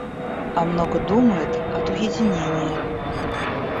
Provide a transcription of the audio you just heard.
А много думает от уединения.